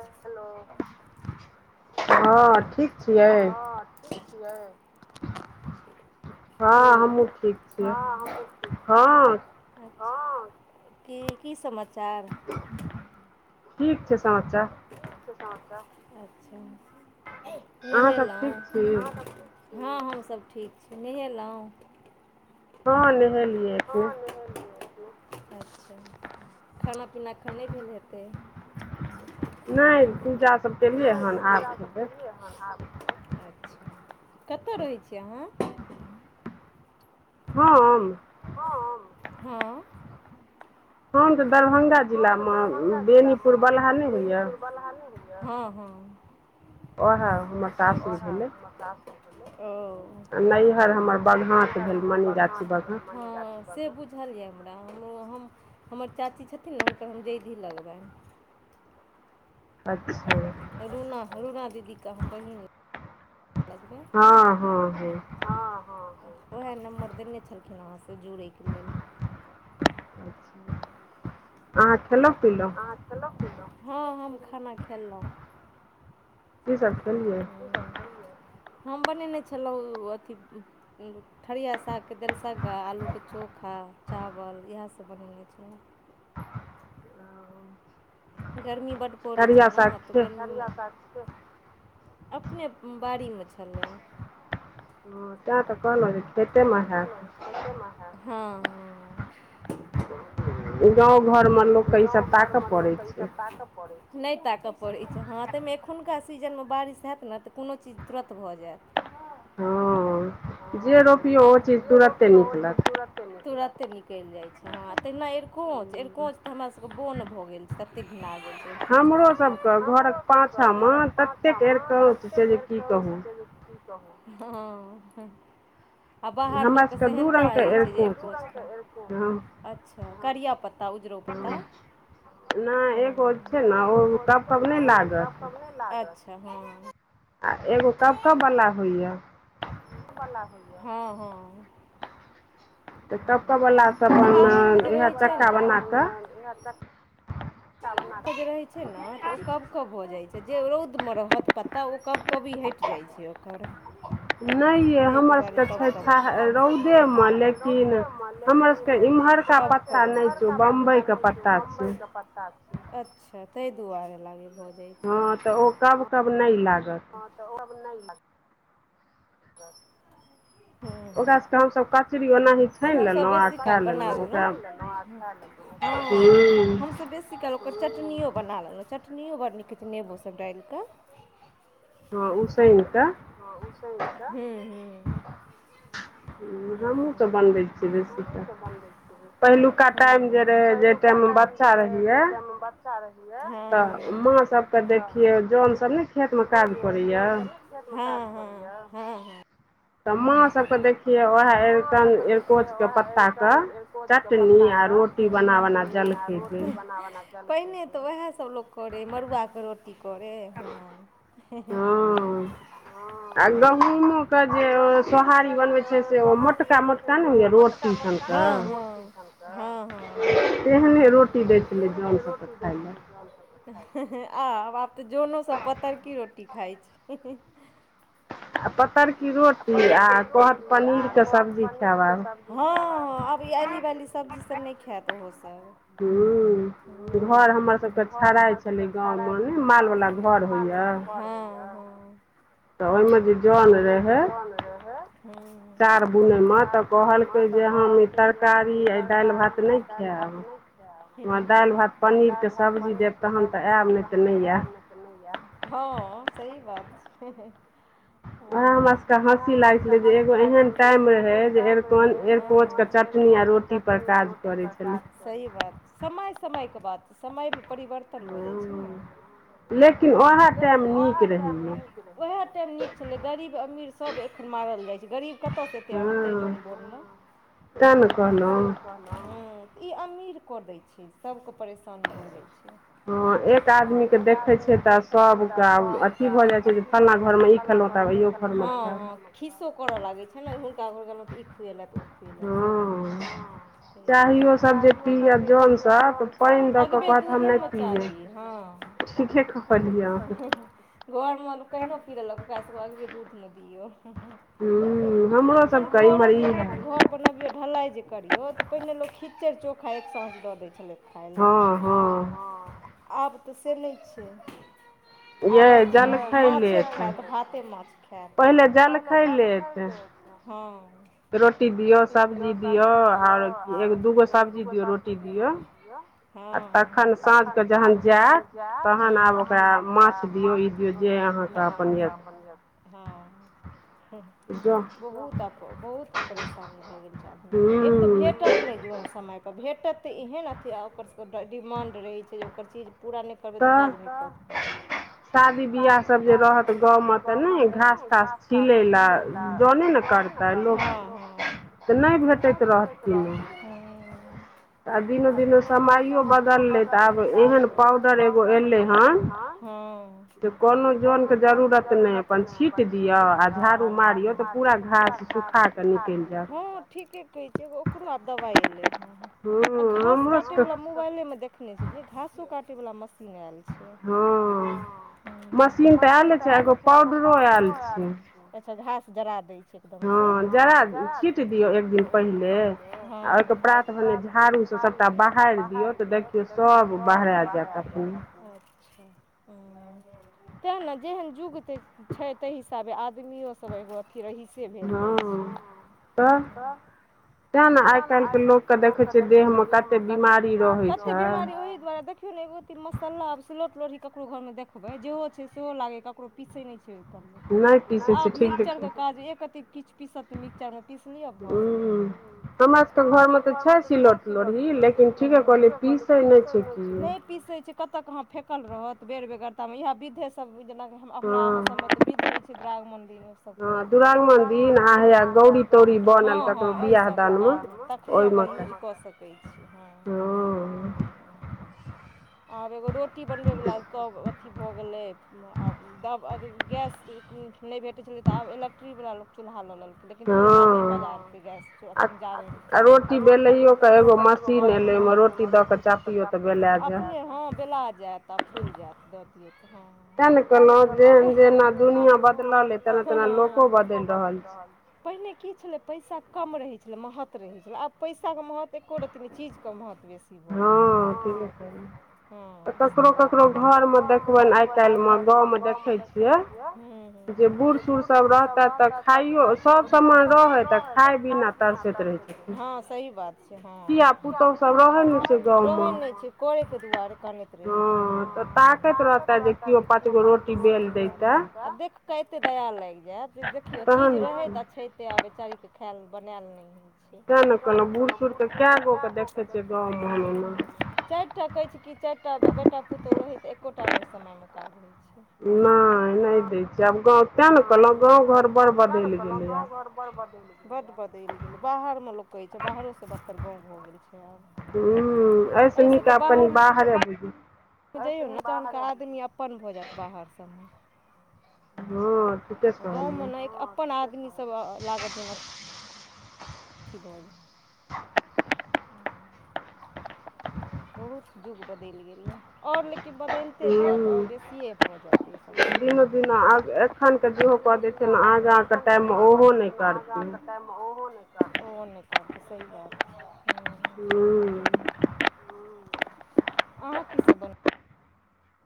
[inaudible] Hello [unintelligible] हँ ठीक छियै [inaudible] ठीक छिए हेलो हँ हमहूँ छिए हॅ की की समाचार ठीक छै समाचार ठीक छै समाचार नहेलो हँ हमसभ ठीक छी नहेलहुँ हँ लिह लियए हँ नहेलिए कि अच्छा खाना पीना एखन नहि भेल हेतै नहि पूजा सभ केलियए हन आब खेतै अच्छा कतऽ रहै छी अहाँ हम हम हम तऽ दरभंगा हमन तऽ दरभंगाम जिलामे बेनीपुर बलहा होइत या ओहा आ नैहर हमर बगहात भेल मनिगाछी बगाँ हँ से बुझल यऽ हमरा हमँ हमरा ह हमर चाची छथिन ने हुनकर हम जैइदी लगबनि अच्छा रुना रुना दीदीके हम बहिन लगबै हँ हँ हँ हँ हँ उएह नम्बर देने छलखिन अहाँ से जुड़यके लैल आ खेलो पिलो हँ हम खाना खेलहुँ कि सब खैलिए कि सब खैलिए हम बनेने छलहुँ अथी ठरिया सागके देलसंगा आलूके चोखा चावल इएह सब बनेने छलिए गर्मी बड्ड पड़ै छै ने तऽ गमी अपने बाड़ीमे छलाह ह तैं तऽ कहलहुॅँ जे खेतेमे हैत हँ ह गांव घरमे गाँव घरमे लोकके ईसभ ताकय पड़ै छै नहि ताकऽ पड़ैत छै हँ ताहिमे एखुनका सीजनमे बारिश होयत ने तऽ कोनो चीज तुरत भऽ जैएत ह जे रोकियौ ओ चिज तुरत तुरते निकलि जाय छै हँ तहिना अरकोंच एरकोच तऽ हमरा सब के बन भऽ गेल छै तते घिना गेल छै हमरो सबके घरक पाछामे ततेक एरकोच छै हँ ह [unintelligible] आ बाहर लोकके सेहेनता होइ छै जे एको अच्छा करिया पत्ता उजरो पत्ता एकगो छै न कब कब नहि लाग आ एगो कब कबवला होइए ब होइए ह ह ह छाहरिमे जे रहैत छै ने जे रहै छै न तऽ ओ कब कब भऽ जाइ छै जे रौदमे रहत पत्ता ओ कब कबी हटि जाइ छै ओकर ताहि दुआरे हमर रौदेमे लेकिन [unintelligible] उम्हरका पत्ता नहि छै बम्बई के पत्ता अच्छा ताहि दुआरे लागे भोजन हँ तऽ ओ कब कब नहि लागत हँ तऽ ओ नहि ल ा [unintelligible] ओकरा सब के हमसब कचरी ओनाहि हमहूँसभ बेसी काल बना लेलहुँ हँ हमसभ बेसी की कहलहुँ चटनियो बना लेलहुँ चटनियो बड़ नीक होइ छै नेबोसभ डालि कऽ हँ उशैयन क हँ उशैनक ह ह ह हमहहुँ सब बनबै छियै बेसी काल पहिलुका टाइम जे रहै जे टाम बच्चा रहियै तऽ माँ सबके देखियै जन सब ने खेतमे काज करैया हँ ह ह ह तऽ माँ सबके देखियै वएहररिकोच के पत्ताके चटनी आ रोटी बना बना जलखे पहिने तऽ उएहसभ लोक करै मड़ुआके रोटी करै हँ ह आ गहूमो के जे सोहारी बनबै छै से मोटका मोटका [unintelligible] केहन रोटी दै छै ज आब आब तऽ जनोसभ पतरकी रोटी खाइ छै आ पतरकी रोटी आ कहत पनीर के सब्जी खायब आब हँ आब ई ऐली वैली सब्जी सब नहि खायत ओहो सब हू घोर हमर सबके छड़ाय छलै गांव मे नै माल वाला घर होइया हँ ह तओहिमे तऽ ओहिमे जे जोन रहै चारबुन मे तऽ कहल जे हम ई तरकारी आ दालि भात नहि खायब दालि भात पनीर सब्जी देब तहन तऽ आयब नहि तऽ नहि आयब हँ सही बात छै उएह हमरा सभके हँसी लागैत छलै जे एगो एहन टाइम रहै जे एर एरकोच चटनी आ रोटी परसाद सही बात समय समय के बात समय मे परिवर्तन खत्म भ जाय छै न लेकिन ओहा टाइम निक रहै ओहा टाइम नीक छलै गरीब अमीर सभ एखन मारल जाइ छै गरीब कतयसँ एते अनतै जन बोन ल तें ने कहलहुँ कह हँ ई अमीर कऽ दै छै सभके परेशानी भ जाइ छै हँ एक आदमीकेँ देखै छियै तऽ सभके अथी भऽ जाइ छै जे ह ह खिसो करऽ लागै छै ने हुनका घर गेलौ तऽ ई खुएल प भोज चयो सब जे पी ज [unintelligible] अगबे दूधेमे चाही हँ घरमे केहिनो पी लेलक ओकरा सभके अगबे दूधमे दियौ एखन घरो जे घर बनबियौ ढलाइ जे करियौ तऽ पहिने लोक खिच्चड़ चोखा एक साँस दऽ दै छलै खाइ लए आब तऽ से नहि छै आब अथी माछे खायत भात के माछ खायत पहिले जलखै लेत ह रोटी दियौ सब्जी दियौ आओर एग दूगो सब्जी दियौ रोटी दियौ तखन साँझ के जहन जात तहन आब ओकरा माछ ब ह [unintelligible] बहुत आ बहुत परेशानी भऽ गेल छै आदमीके एक तऽ भेटत नहि जोन समयप तऽ भेटत तऽ एहन अथी आ ओकर सबके डिमा्ड रहै छै जे ओकर चीज पूरा नहि ब त काज कर शादी बियाह सब जे रह गाँव मे तऽ नहि घास तास छिलैल जोने ने कर तनै भेतैत रहथिन ह आ दिने दिने समयो बदलय तब काल एगो एले‌ ‌है त कोनो काज [unintelligible] [unintelligible] जरूरत नहि अपन छीट दिअ आ झाड़ू मारियौ तऽ पूरा घास सुख कऽ नहि ओकरो आ दवाई एलै हे आ घास काटे वाल मु पहिले मे देखने छलियै घासो काट वाला मशीन आल छै बस तऽ आयल [unintelligible] [unintelligible] ता एगो पाउडरो आलछा घास जरा दैय छै ह जरा छीट दियौ एक दिन पहिले हं [unintelligible] [unintelligible] प्रात भेलै झाड़ूसँ सभटा बहारि दियौ तऽ देखियौ सभ बहरा जाय ते ने जेहन युग त छै ताहिस ताबे आदमियो सब एगो अथी रहिसे भेल जाइ छै तै न आइ काल्हिके लोकके देखैत छै देहमे कते बिमारी कते बीमारी ओहि दुआरे देखियौ ने एगो अथी मसला आब सिलौट लोढ़ी ककरो घरमे देखबै जेहो छै सेहो लागै या ककरो पीसै नहि छै आब मिक्सचरके काज एकतेक किछु पीसत तऽ मिक्सचरमे पीसलिय आ भऽ गेलै हमरा तऽ घरमे तऽ छै सिलौट लोढि लेकिन ठिके कहलै पीसै नहि छै नाहि पिसे नाहि छै कत अहाँ फेकल रहत बेर बेगरता मे इह विधे सब जेना अपना अहाँ सबमे तऽ विध होय छै दुरागमन दिन ओ सबकेरा दिन [unintelligible] [unintelligible] हँ हँ ओहिसभमे काज तखने ओकर यूज कऽ सकै छी हँ आब एगो रोटी बनबैवला तब अथी भऽ गेलै आब दब गैस नहि भेटै छलै तऽ आब इलेक्ट्रिकवला ल क चूल्हा ल लेलखिन लेकिन चूल्हा पजार थिन गैस प जा ैयो के एगो मर्ी भेल रोटी द के चाकियो अपने ह बेला जायत [unintelligible] तब फुलि जैत दऽ दियै त हँ त ने कलहु जेहन जेना दुनिया बदलि रहलना लोको बदलि रहल छै पहिने की छलै पैसा कम रहै छलै महत्त्व रहै छलै आब पैसाके महत्व एको रत्ती नहि चीजके महत्त्व बेसी ह ककरो ककरो घौर मे देखबन आ [unintelligible] [unintelligible] गाव में देखैयछिय बूढ़ सुढ सब रहतैथ त सब समान रहत आ खाइ बिना तरसत रहै हँ सही बात छै हँ पुतहु सब रहै नै रहै नहि छै करे के दुआरे कानैत रहै छै ताकत रहता जे हो पांच गो रोटि बेल दै छै [unintelligible] [unintelligible] आ देख कऽ एते दया लागि जायत जे देखियो चीज रहैत आछते आबैत कर के खैल मे बनैल नहि होइ त ने कहलहुँ बूढ़ सूढ़के कएगो के देखै छियै गामे चारि टा कहै छै कि चारि टा बेटा पुतहु रहै त एकोटा ने ओहि समयमे काज होइ छै नहि नहि दै छैय आब गाँव तेने कहलौ गाँव घर बड़ बदल गेलै या ब बड बदलि गेलै बाहरमे लोक कहै छै बाहरोसँ बद्तर गाँव भऽ गेल छै आब हू एहिसँ निक कनि बाहरे बुझै ने त आदमी अपन भऽ जात बाहर सभमे [unintelligible] [unintelligible] ह गाँवमे न एक अपन आदमि सभ लागत जेना की बल [unintelligible] [unintelligible] बहुत जुग बदलि गेल यऽ और लेकिन बदलिते जायत ओऔर बेसिए भऽ जैत इसभसँ दिन दिन आ एखन के कऽ द छै आग के टाइम हो ओहो नहि ओहो नै करतय सही बात छै हू अहाँ की सब बन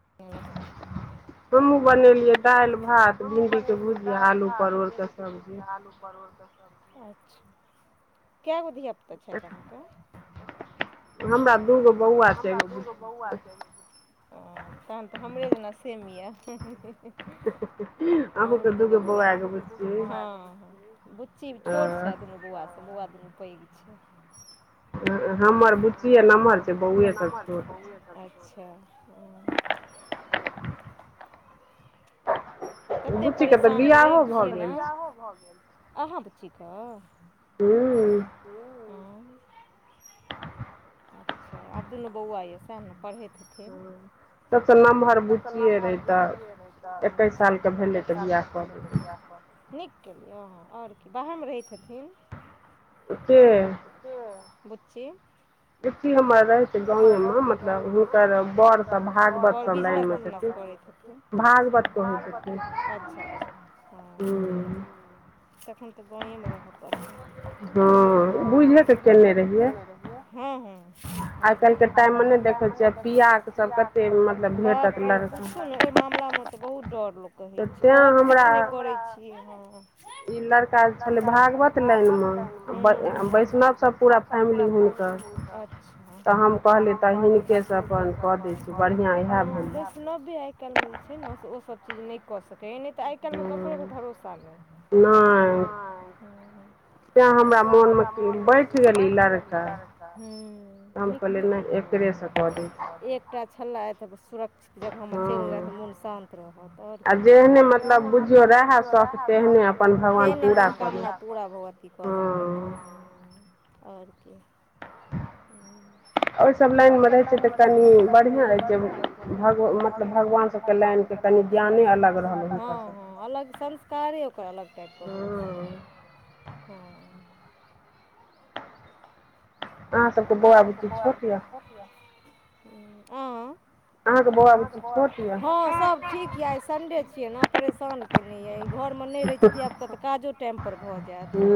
ह [unintelligible] [unintelligible] हमूँ बनेलियै दालि भात हमहूँ बनेलियै दालि भात भिण्डीके भुजिआ आलू परोर के सब्जि अच्छा के गो धिया पु हमरा दुगो हमरा दूगो बौआ ह तहन तऽ हमरे जेना सेम यऽ हमरो दुगो बौआ हँ बुच्ची छोट छै दुनू [unintelligible] बौआ से बौआ दूनू पैघ छै हमर बुच्चिए नम्हर छै बौये सब छोट छै अच्छा ततेक परेशान केरहै छियै ने अहाँ बुचीक हू अच्छा आब दुनू बौआ यऽ सएह ने पढ़ैत हेथिन सबसँ नमहर सबस नमहर बुचिय रहै तऽ एकैस सालके भेलै तऽ बिआह करा नीक केलियै अहाँ और क बाहरमे रहै हथिन ओते के बुच्ची बुची हमर रहै छै गावमे मतलब ह तर बिजनेस उजनेस करै हन अच्छााग अच्छा अच्छा हूँ [unintelligible] तखन तऽ गाँव ए मे रह पड़तै हँ बूझे क केने रहियै सबसे तेज मधु [unintelligible] बाप रे पुछु ने ओहि मामलामे तऽ बहुत डर लोक कहत किछ नहि करैत छी हँ ई लड़का छलै भागवत लैनमे वैष्णव सब पूरा फैमिली हुनकर तऽ हम कहलीय तऽ हिनके स अपन ह वैष्णवे आइ काल्हिमे जे छै ने से ओसभ चीज नहि कऽ सकैया नहि तऽ आइ काल्हिमे ककरो पर भरोसा नहि नहि तें हमरा मोनमे बचि गेली लड़की [unintelligible] [unintelligible] ह नीक कहुँ ब एकटा छलै तऽ सुरक्षित जगहमे चलि गेलय तऽ मोन शान्त रहत आओर की आ जेहने मतलब बुझियौ रहै त तेहने मनोकामना पूरा भगवती कऽ देलथि हँ ओर की ओहिसभ लाइन मे रहत तऽ कनि बढ़िआँ ज भग मतलब भगवान सबके लाइन जाने हं हं [unintelligible] हँ अलग संस्कारे ओकर अलग टाइपके भऽ जायत हँ अहाँसभके बौआ बुटी थोत यए ह [unintelligible] हँ सभ ठीक यऽ आइ संडे छियै ने परेशान केने यइ। घरमे नहि रहै छैय धियापुता तऽ काजो टाइम पर भऽ जायत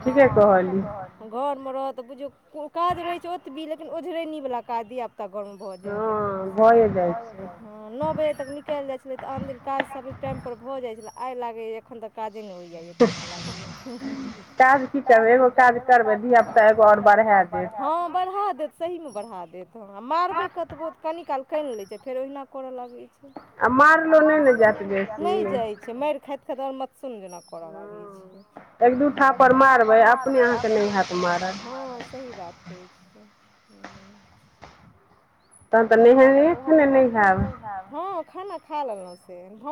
हँ ठीके कह घरमे रहत तऽ बुझियौ काज रहै छैय ओतबी लेकिन ओझरैनी वला काज दिअ तगड़ भऽ जायत एकदम से हँ न बजे तक निकलि जाइ छलै तऽ आन दिन काज सब टाइमपर भऽ जाइ छलै आइ लागैए अखन तऽ काजे ने उड़ियाय तेना लागय या। धिया पुता एगो और बरहा हँ बढ़ा देत सहीमे बढ़ा देत हँ मारबै कतबो कनी काल कनि लै छैय फेर ओहिना कर लगै छैय आ मारलो नहि जाएत [unintelligible] छैय मारि खैत खैत ओर मथसून जेना कर लगै छैय हूं। हँ सही बात कहै छियै हूँ। तहन तऽ नेहेने खेनेने हैब। हँ खाना खा लेलहुँ से।